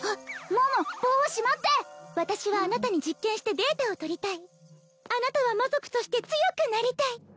桃棒をしまって私はあなたに実験してデータをとりたいあなたは魔族として強くなりたい